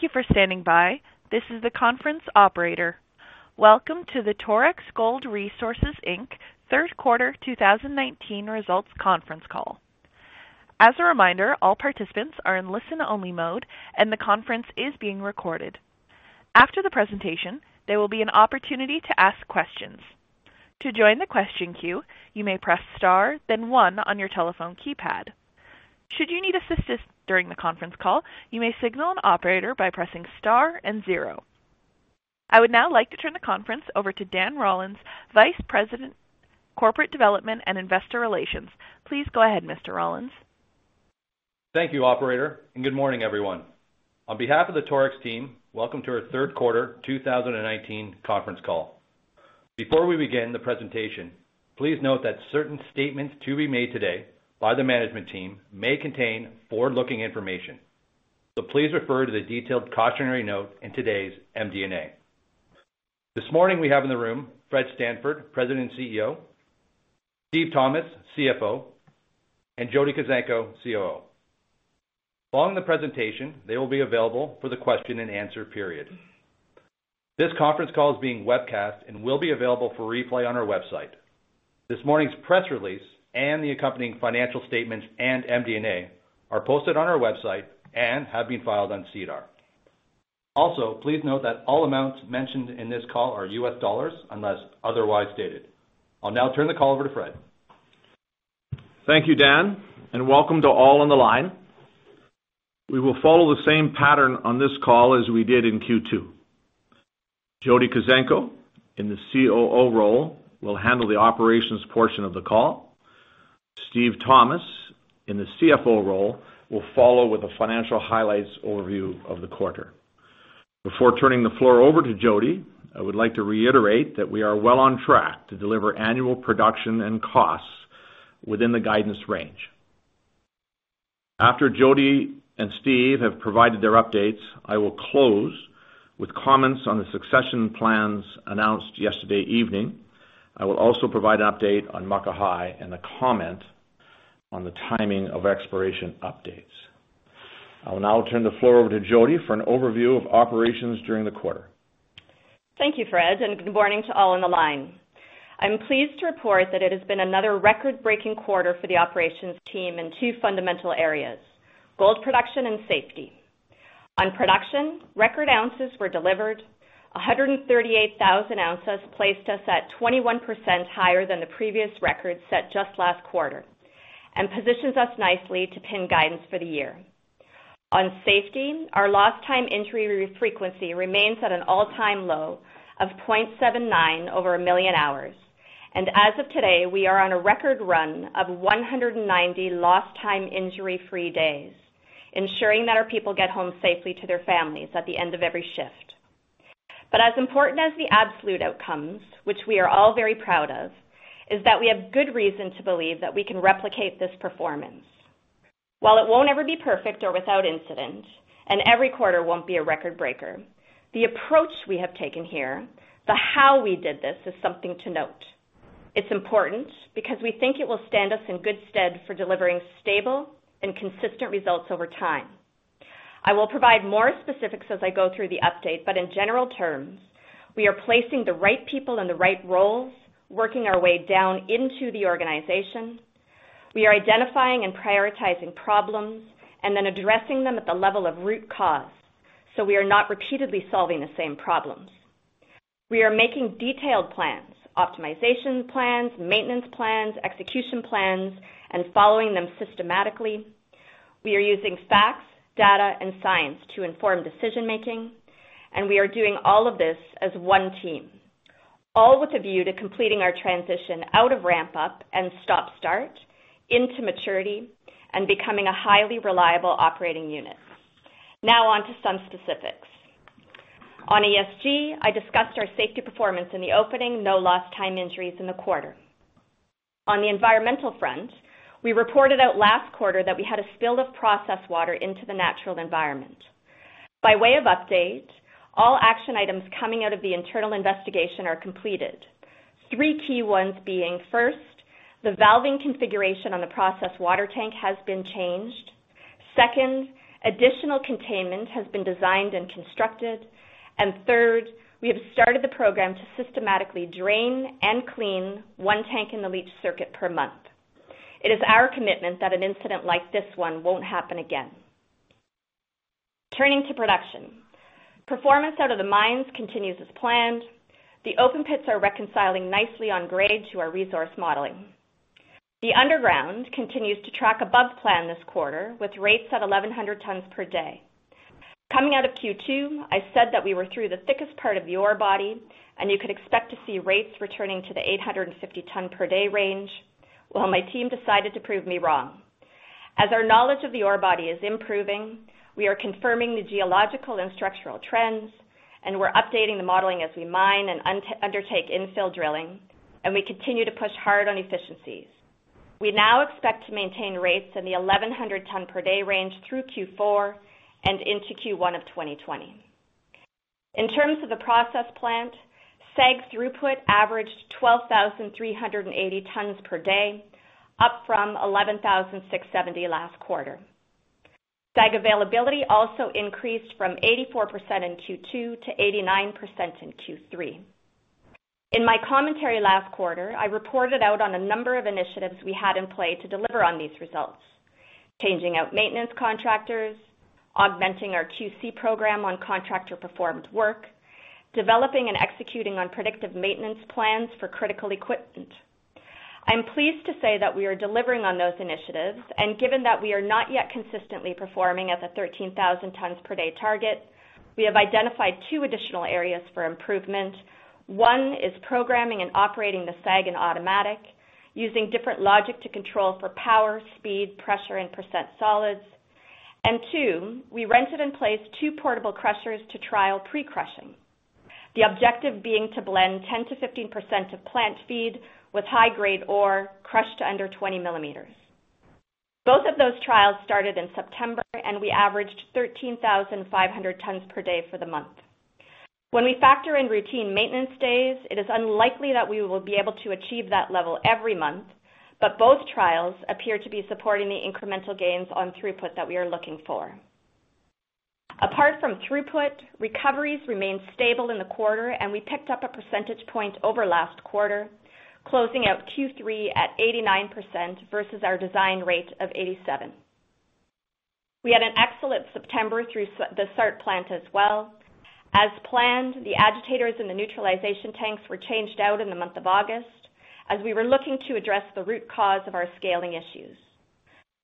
Thank you for standing by. This is the conference operator. Welcome to the Torex Gold Resources Inc. Third Quarter 2019 Results Conference Call. As a reminder, all participants are in listen-only mode, and the conference is being recorded. After the presentation, there will be an opportunity to ask questions. To join the question queue, you may press star then one on your telephone keypad. Should you need assistance during the conference call, you may signal an operator by pressing star and zero. I would now like to turn the conference over to Dan Rollins, Vice President, Corporate Development and Investor Relations. Please go ahead, Mr. Rollins. Thank you, operator. Good morning, everyone. On behalf of the Torex team, welcome to our third quarter 2019 conference call. Before we begin the presentation, please note that certain statements to be made today by the management team may contain forward-looking information. Please refer to the detailed cautionary note in today's MD&A. This morning, we have in the room Fred Stanford, President and CEO, Steve Thomas, CFO, and Jody Kuzenko, COO. Following the presentation, they will be available for the question and answer period. This conference call is being webcast and will be available for replay on our website. This morning's press release and the accompanying financial statements and MD&A are posted on our website and have been filed on SEDAR. Also, please note that all amounts mentioned in this call are U.S. dollars, unless otherwise stated. I'll now turn the call over to Fred. Thank you, Dan, and welcome to all on the line. We will follow the same pattern on this call as we did in Q2. Jody Kuzenko, in the COO role, will handle the operations portion of the call. Steve Thomas, in the CFO role, will follow with a financial highlights overview of the quarter. Before turning the floor over to Jody, I would like to reiterate that we are well on track to deliver annual production and costs within the guidance range. After Jody and Steve have provided their updates, I will close with comments on the succession plans announced yesterday evening. I will also provide an update on Muckahi and a comment on the timing of exploration updates. I will now turn the floor over to Jody for an overview of operations during the quarter. Thank you, Fred, and good morning to all on the line. I'm pleased to report that it has been another record-breaking quarter for the operations team in two fundamental areas, gold production and safety. On production, record ounces were delivered. 138,000 ounces placed us at 21% higher than the previous record set just last quarter and positions us nicely to pin guidance for the year. On safety, our lost time injury frequency remains at an all-time low of 0.79 over 1 million hours, and as of today, we are on a record run of 190 lost time injury-free days, ensuring that our people get home safely to their families at the end of every shift. As important as the absolute outcomes, which we are all very proud of, is that we have good reason to believe that we can replicate this performance. While it won't ever be perfect or without incident, and every quarter won't be a record-breaker, the approach we have taken here, the how we did this, is something to note. It's important because we think it will stand us in good stead for delivering stable and consistent results over time. I will provide more specifics as I go through the update, but in general terms, we are placing the right people in the right roles, working our way down into the organization. We are identifying and prioritizing problems and then addressing them at the level of root cause, so we are not repeatedly solving the same problems. We are making detailed plans, optimization plans, maintenance plans, execution plans, and following them systematically. We are using facts, data, and science to inform decision-making, and we are doing all of this as one team, all with a view to completing our transition out of ramp-up and stop-start into maturity and becoming a highly reliable operating unit. Now on to some specifics. On ESG, I discussed our safety performance in the opening, no lost time injuries in the quarter. On the environmental front, we reported out last quarter that we had a spill of processed water into the natural environment. By way of update, all action items coming out of the internal investigation are completed. Three key ones being first, the valving configuration on the process water tank has been changed. Second, additional containment has been designed and constructed. Third, we have started the program to systematically drain and clean one tank in the leach circuit per month. It is our commitment that an incident like this one won't happen again. Turning to production. Performance out of the mines continues as planned. The open pits are reconciling nicely on grade to our resource modeling. The underground continues to track above plan this quarter with rates at 1,100 tons per day. Coming out of Q2, I said that we were through the thickest part of the ore body. You could expect to see rates returning to the 850 ton per day range. Well, my team decided to prove me wrong. As our knowledge of the ore body is improving, we are confirming the geological and structural trends. We're updating the modeling as we mine and undertake infill drilling. We continue to push hard on efficiencies. We now expect to maintain rates in the 1,100 tons per day range through Q4 and into Q1 of 2020. In terms of the process plant, SAG throughput averaged 12,380 tons per day, up from 11,670 last quarter. SAG availability also increased from 84% in Q2 to 89% in Q3. In my commentary last quarter, I reported out on a number of initiatives we had in play to deliver on these results. Changing out maintenance contractors, augmenting our QC program on contractor performed work, developing and executing on predictive maintenance plans for critical equipment. I'm pleased to say that we are delivering on those initiatives. Given that we are not yet consistently performing at the 13,000 tons per day target, we have identified two additional areas for improvement. One is programming and operating the SAG and automatic, using different logic to control for power, speed, pressure, and percent solids. Two, we rented and placed two portable crushers to trial pre-crushing. The objective being to blend 10%-15% of plant feed with high-grade ore crushed under 20 millimeters. Both of those trials started in September. We averaged 13,500 tons per day for the month. When we factor in routine maintenance days, it is unlikely that we will be able to achieve that level every month. Both trials appear to be supporting the incremental gains on throughput that we are looking for. Apart from throughput, recoveries remained stable in the quarter. We picked up a percentage point over last quarter, closing out Q3 at 89% versus our design rate of 87. We had an excellent September through the SART plant as well. As planned, the agitators in the neutralization tanks were changed out in the month of August, as we were looking to address the root cause of our scaling issues.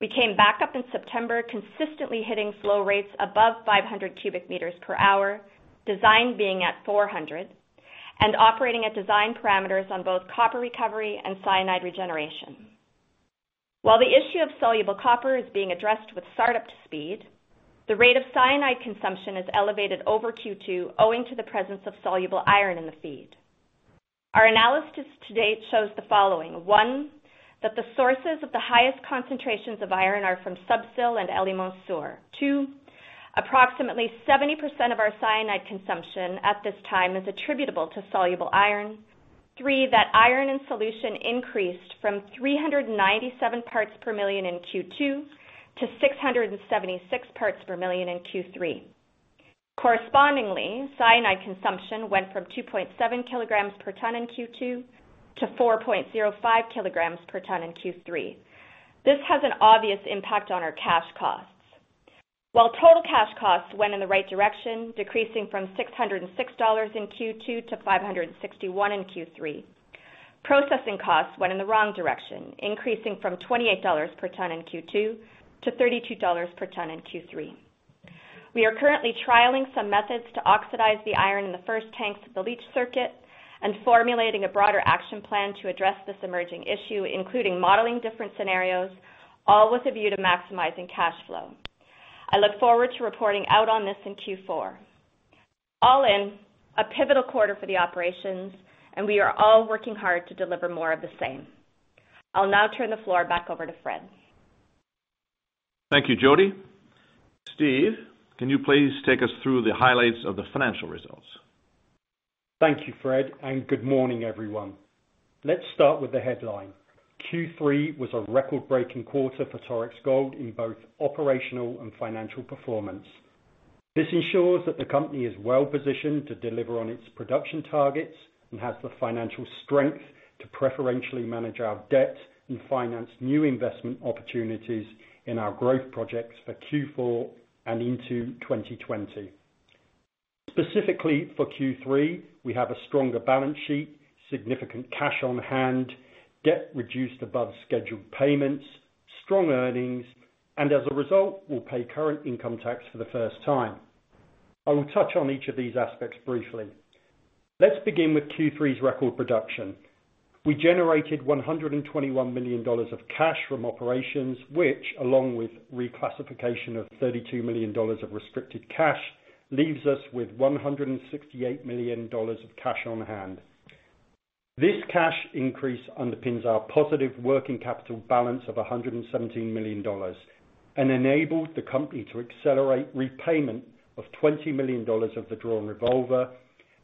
We came back up in September, consistently hitting flow rates above 500 cubic meters per hour, design being at 400, and operating at design parameters on both copper recovery and cyanide regeneration. While the issue of soluble copper is being addressed with SART up to speed, the rate of cyanide consumption is elevated over Q2 owing to the presence of soluble iron in the feed. Our analysis to date shows the following. One, that the sources of the highest concentrations of iron are from Sub-Sill and El Limón Sur. Two, approximately 70% of our cyanide consumption at this time is attributable to soluble iron. Three, that iron in solution increased from 397 parts per million in Q2 to 676 parts per million in Q3. Correspondingly, cyanide consumption went from 2.7 kilograms per ton in Q2 to 4.05 kilograms per ton in Q3. This has an obvious impact on our cash costs. While total cash costs went in the right direction, decreasing from $606 in Q2 to $561 in Q3, processing costs went in the wrong direction, increasing from $28 per ton in Q2 to $32 per ton in Q3. We are currently trialing some methods to oxidize the iron in the first tanks of the leach circuit and formulating a broader action plan to address this emerging issue, including modeling different scenarios, all with a view to maximizing cash flow. I look forward to reporting out on this in Q4. All in, a pivotal quarter for the operations, and we are all working hard to deliver more of the same. I'll now turn the floor back over to Fred. Thank you, Jody. Steve, can you please take us through the highlights of the financial results? Thank you, Fred, and good morning, everyone. Let's start with the headline. Q3 was a record-breaking quarter for Torex Gold in both operational and financial performance. This ensures that the company is well-positioned to deliver on its production targets and has the financial strength to preferentially manage our debt and finance new investment opportunities in our growth projects for Q4 and into 2020. Specifically for Q3, we have a stronger balance sheet, significant cash on hand, debt reduced above scheduled payments, strong earnings, and as a result, we'll pay current income tax for the first time. I will touch on each of these aspects briefly. Let's begin with Q3's record production. We generated $121 million of cash from operations, which along with reclassification of $32 million of restricted cash, leaves us with $168 million of cash on hand. This cash increase underpins our positive working capital balance of $117 million and enabled the company to accelerate repayment of $20 million of the drawn revolver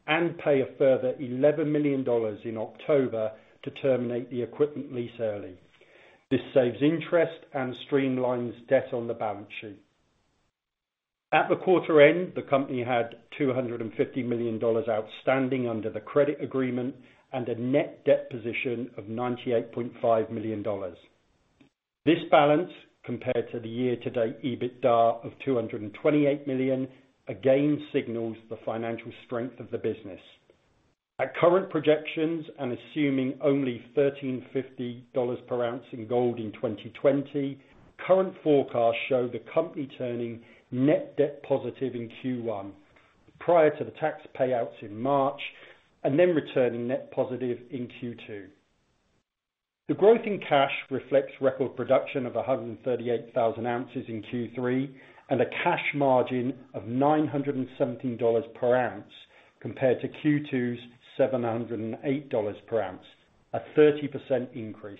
and pay a further $11 million in October to terminate the equipment lease early. This saves interest and streamlines debt on the balance sheet. At the quarter end, the company had $250 million outstanding under the credit agreement and a net debt position of $98.5 million. This balance, compared to the year-to-date EBITDA of $228 million, again signals the financial strength of the business. At current projections and assuming only $1,350 per ounce in gold in 2020, current forecasts show the company turning net debt positive in Q1, prior to the tax payouts in March, and then returning net positive in Q2. The growth in cash reflects record production of 138,000 ounces in Q3 and a cash margin of $917 per ounce compared to Q2's $708 per ounce, a 30% increase.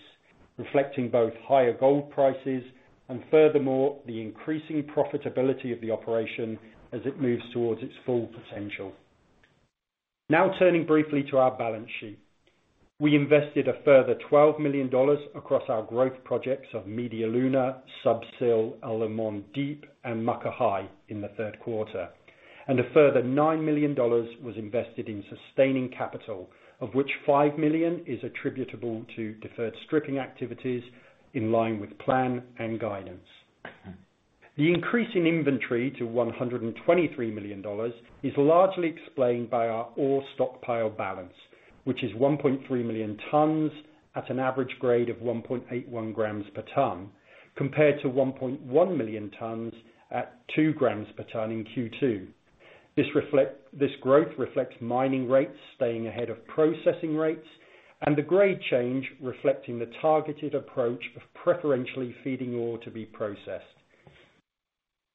Reflecting both higher gold prices and furthermore, the increasing profitability of the operation as it moves towards its full potential. Now turning briefly to our balance sheet. We invested a further $12 million across our growth projects of Media Luna, Sub-Sill, El Limón Deep and Muckahi in the third quarter, and a further $9 million was invested in sustaining capital, of which $5 million is attributable to deferred stripping activities in line with plan and guidance. The increase in inventory to $123 million is largely explained by our ore stockpile balance, which is 1.3 million tons at an average grade of 1.81 grams per ton, compared to 1.1 million tons at 2 grams per ton in Q2. This growth reflects mining rates staying ahead of processing rates and the grade change reflecting the targeted approach of preferentially feeding ore to be processed.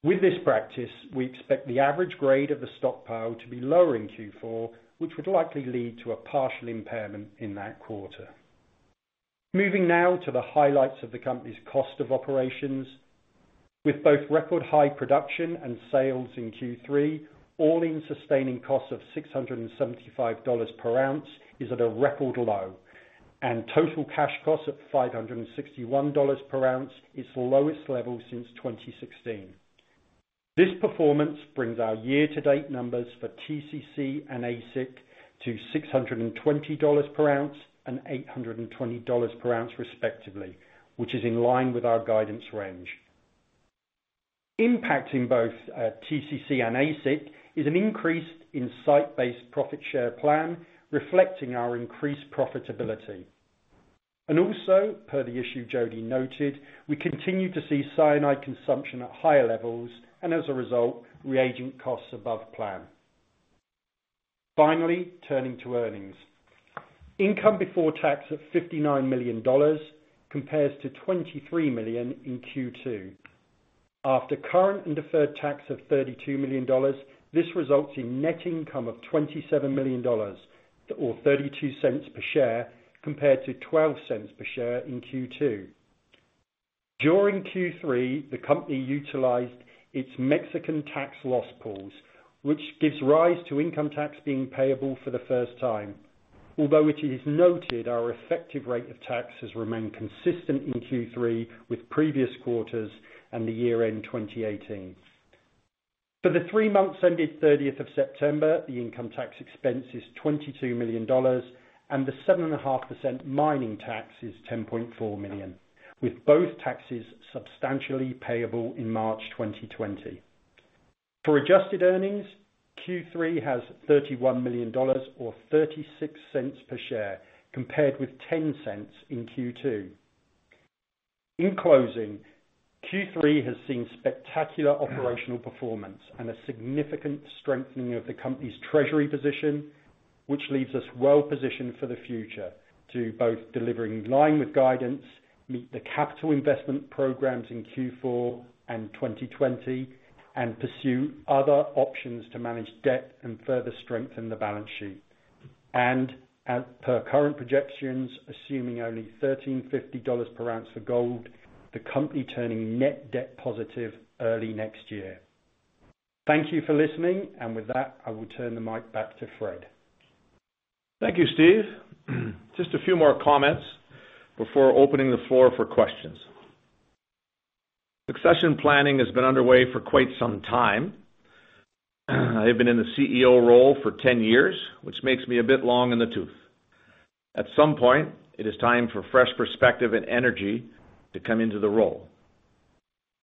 With this practice, we expect the average grade of the stockpile to be lower in Q4, which would likely lead to a partial impairment in that quarter. Moving now to the highlights of the company's cost of operations. With both record high production and sales in Q3, all-in sustaining costs of $675 per ounce is at a record low, and total cash costs of $561 per ounce is the lowest level since 2016. This performance brings our year-to-date numbers for TCC and AISC to $620 per ounce and $820 per ounce respectively, which is in line with our guidance range. Impacting both TCC and AISC is an increase in site-based profit share plan reflecting our increased profitability. Per the issue Jody noted, we continue to see cyanide consumption at higher levels and as a result, reagent costs above plan. Finally, turning to earnings. Income before tax of $59 million compares to $23 million in Q2. After current and deferred tax of $32 million, this results in net income of $27 million or $0.32 per share compared to $0.12 per share in Q2. During Q3, the company utilized its Mexican tax loss pools, which gives rise to income tax being payable for the first time. Although it is noted our effective rate of tax has remained consistent in Q3 with previous quarters and the year-end 2018. For the three months ended 30th of September, the income tax expense is $22 million and the 7.5% mining tax is $10.4 million, with both taxes substantially payable in March 2020. For adjusted earnings, Q3 has $31 million or $0.36 per share compared with $0.10 in Q2. In closing, Q3 has seen spectacular operational performance and a significant strengthening of the company's treasury position, which leaves us well positioned for the future to both deliver in line with guidance, meet the capital investment programs in Q4 and 2020, and pursue other options to manage debt and further strengthen the balance sheet. As per current projections, assuming only $1,350 per ounce for gold, the company turning net debt positive early next year. Thank you for listening. With that, I will turn the mic back to Fred. Thank you, Steve. Just a few more comments before opening the floor for questions. Succession planning has been underway for quite some time. I have been in the CEO role for 10 years, which makes me a bit long in the tooth. At some point, it is time for fresh perspective and energy to come into the role.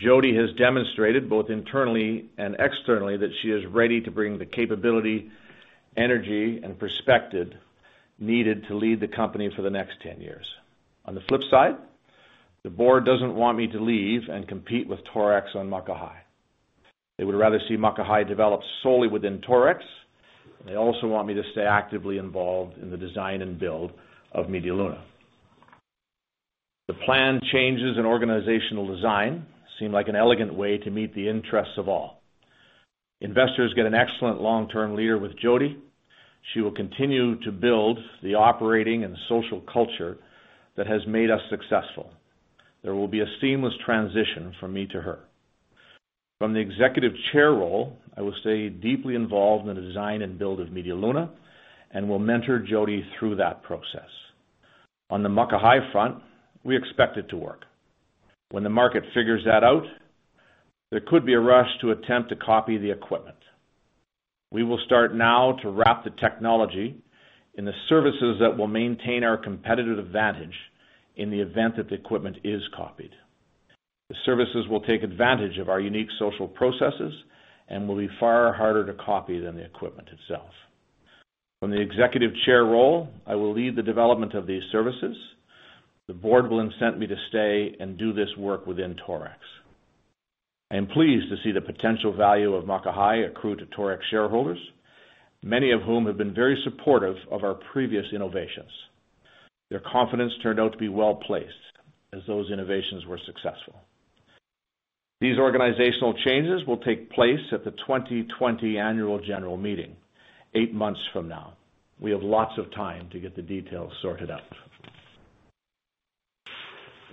Jody has demonstrated both internally and externally that she is ready to bring the capability, energy, and perspective needed to lead the company for the next 10 years. On the flip side, the board doesn't want me to leave and compete with Torex on Muckahi. They would rather see Muckahi develop solely within Torex. They also want me to stay actively involved in the design and build of Media Luna. The planned changes in organizational design seem like an elegant way to meet the interests of all. Investors get an excellent long-term leader with Jody. She will continue to build the operating and social culture that has made us successful. There will be a seamless transition from me to her. From the executive chair role, I will stay deeply involved in the design and build of Media Luna and will mentor Jody through that process. On the Muckahi front, we expect it to work. When the market figures that out, there could be a rush to attempt to copy the equipment. We will start now to wrap the technology in the services that will maintain our competitive advantage in the event that the equipment is copied. The services will take advantage of our unique social processes and will be far harder to copy than the equipment itself. From the executive chair role, I will lead the development of these services. The board will incent me to stay and do this work within Torex. I am pleased to see the potential value of Muckahi accrue to Torex shareholders, many of whom have been very supportive of our previous innovations. Their confidence turned out to be well-placed as those innovations were successful. These organizational changes will take place at the 2020 annual general meeting, eight months from now. We have lots of time to get the details sorted out.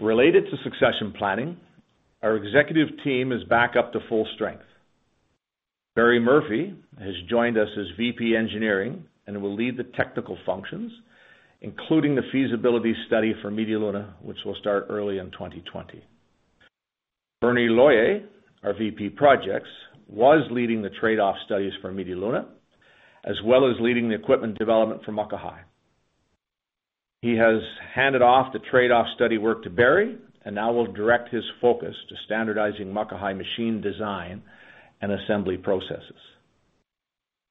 Related to succession planning, our executive team is back up to full strength. Barry Murphy has joined us as VP, Engineering and will lead the technical functions, including the feasibility study for Media Luna, which will start early in 2020. Bernie Loyer, our VP, Projects, was leading the trade-off studies for Media Luna, as well as leading the equipment development for Muckahi. He has handed off the trade-off study work to Barry and now will direct his focus to standardizing Muckahi machine design and assembly processes.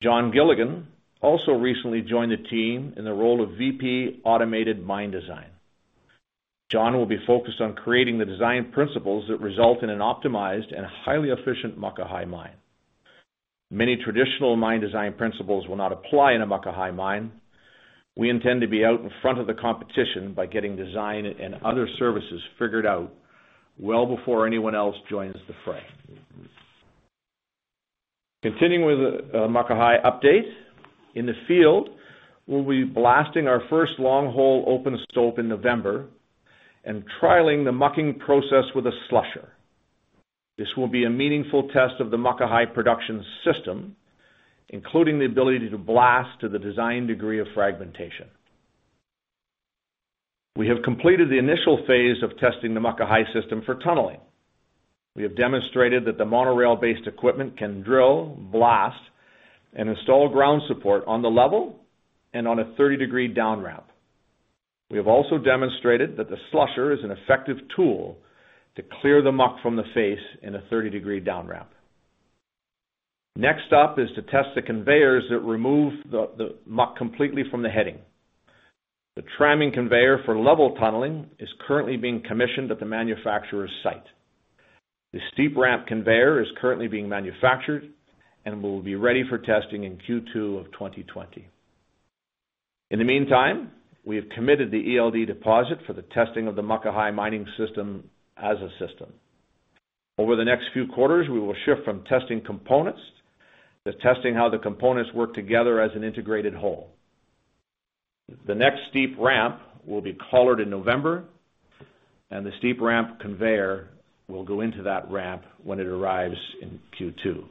Jon Gilligan also recently joined the team in the role of VP automated mine design. Jon will be focused on creating the design principles that result in an optimized and highly efficient Muckahi mine. Many traditional mine design principles will not apply in a Muckahi mine. We intend to be out in front of the competition by getting design and other services figured out well before anyone else joins the fray. Continuing with the Muckahi update. In the field, we'll be blasting our first longhole open stope in November and trialing the mucking process with a slusher. This will be a meaningful test of the Muckahi production system, including the ability to blast to the design degree of fragmentation. We have completed the initial phase of testing the Muckahi system for tunneling. We have demonstrated that the monorail-based equipment can drill, blast, and install ground support on the level and on a 30-degree down ramp. We have also demonstrated that the slusher is an effective tool to clear the muck from the face in a 30-degree down ramp. Next up is to test the conveyors that remove the muck completely from the heading. The trimming conveyor for level tunneling is currently being commissioned at the manufacturer's site. The steep ramp conveyor is currently being manufactured and will be ready for testing in Q2 of 2020. In the meantime, we have committed the ELD deposit for the testing of the Muckahi mining system as a system. Over the next few quarters, we will shift from testing components to testing how the components work together as an integrated whole. The next steep ramp will be collared in November, and the steep ramp conveyor will go into that ramp when it arrives in Q2.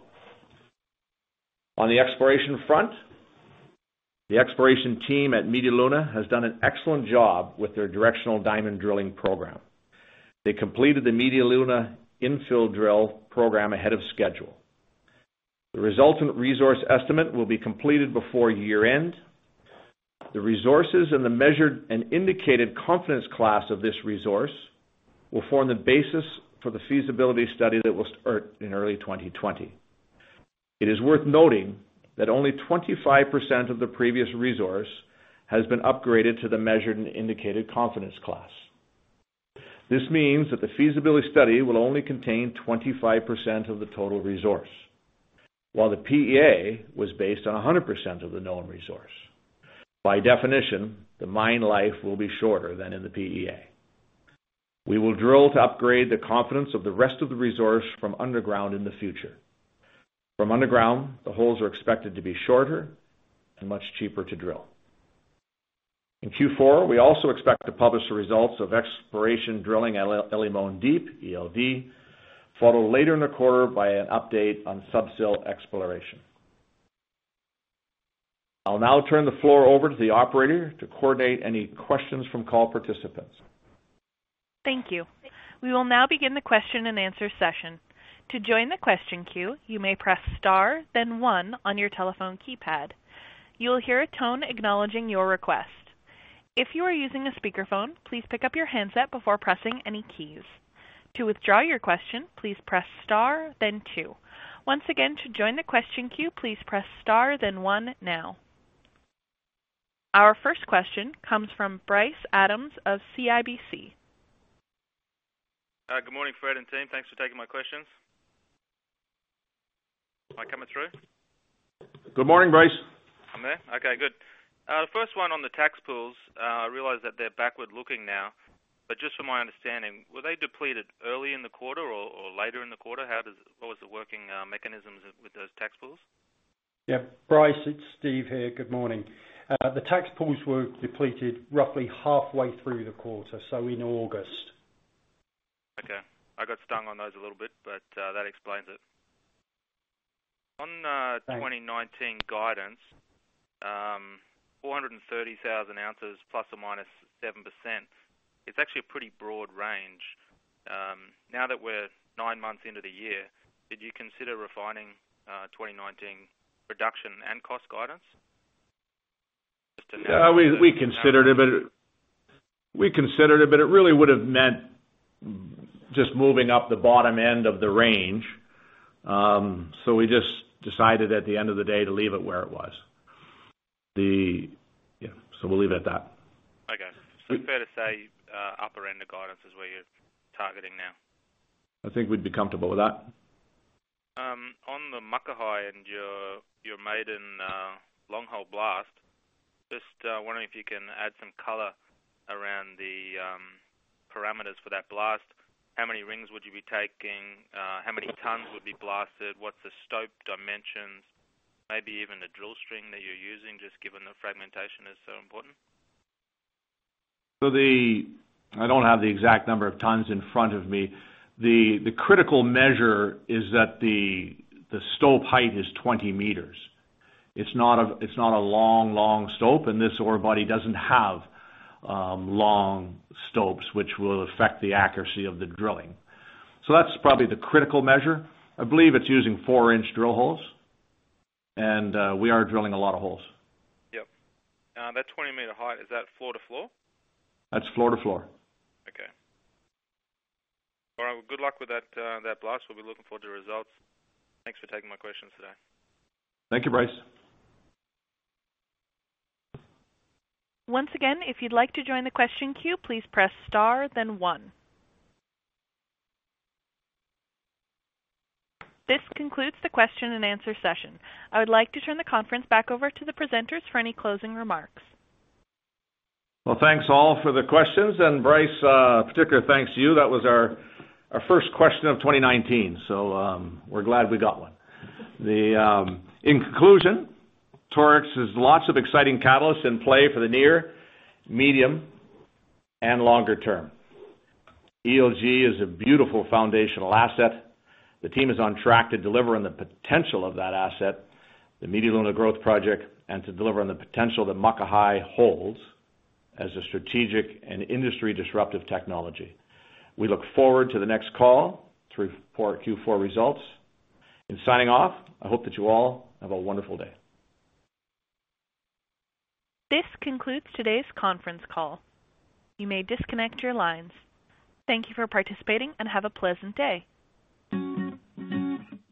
On the exploration front, the exploration team at Media Luna has done an excellent job with their directional diamond drilling program. They completed the Media Luna infill drill program ahead of schedule. The resultant resource estimate will be completed before year-end. The resources and the measured and indicated confidence class of this resource will form the basis for the feasibility study that will start in early 2020. It is worth noting that only 25% of the previous resource has been upgraded to the measured and indicated confidence class. This means that the feasibility study will only contain 25% of the total resource. While the PEA was based on 100% of the known resource. By definition, the mine life will be shorter than in the PEA. We will drill to upgrade the confidence of the rest of the resource from underground in the future. From underground, the holes are expected to be shorter and much cheaper to drill. In Q4, we also expect to publish the results of exploration drilling at El Limón Deep, ELD, followed later in the quarter by an update on Sub-Sill exploration. I'll now turn the floor over to the operator to coordinate any questions from call participants. Thank you. We will now begin the question and answer session. To join the question queue, you may press star then one on your telephone keypad. You will hear a tone acknowledging your request. If you are using a speakerphone, please pick up your handset before pressing any keys. To withdraw your question, please press star then two. Once again, to join the question queue, please press star then one now. Our first question comes from Bryce Adams of CIBC. Good morning, Fred and team. Thanks for taking my questions. Am I coming through? Good morning, Bryce. I'm there? Okay, good. First one on the tax pools. I realize that they're backward-looking now, but just for my understanding, were they depleted early in the quarter or later in the quarter? What was the working mechanisms with those tax pools? Yeah, Bryce, it's Steve here. Good morning. The tax pools were depleted roughly halfway through the quarter, so in August. Okay. I got stung on those a little bit. That explains it. Thanks 2019 guidance, 430,000 ounces ±7%. It's actually a pretty broad range. Now that we're nine months into the year, did you consider refining 2019 production and cost guidance? Yeah, we considered it, but it really would have meant just moving up the bottom end of the range. We just decided at the end of the day to leave it where it was. Yeah. We'll leave it at that. Okay. Fair to say upper end of guidance is where you're targeting now? I think we'd be comfortable with that. Your maiden long hole blast. Just wondering if you can add some color around the parameters for that blast. How many rings would you be taking? How many tons would be blasted? What's the stope dimensions? Maybe even the drill string that you're using, just given the fragmentation is so important. I don't have the exact number of tons in front of me. The critical measure is that the stope height is 20 meters. It's not a long stope, and this ore body doesn't have long stopes, which will affect the accuracy of the drilling. That's probably the critical measure. I believe it's using 4-inch drill holes, and we are drilling a lot of holes. Yep. That 20-meter height, is that floor to floor? That's floor to floor. Okay. All right, well, good luck with that blast. We'll be looking forward to results. Thanks for taking my questions today. Thank you, Bryce. Once again, if you'd like to join the question queue, please press star then one. This concludes the question and answer session. I would like to turn the conference back over to the presenters for any closing remarks. Well, thanks all for the questions. Bryce, particular thanks to you. That was our first question of 2019, so we're glad we got one. In conclusion, Torex has lots of exciting catalysts in play for the near, medium, and longer term. ELG is a beautiful foundational asset. The team is on track to deliver on the potential of that asset, the Media Luna growth project, and to deliver on the potential that Muckahi holds as a strategic and industry-disruptive technology. We look forward to the next call to report our Q4 results. In signing off, I hope that you all have a wonderful day. This concludes today's conference call. You may disconnect your lines. Thank you for participating and have a pleasant day.